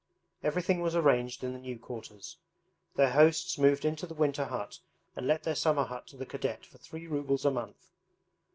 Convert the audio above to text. Everything was arranged in the new quarters. Their hosts moved into the winter hut and let their summer hut to the cadet for three rubles a month.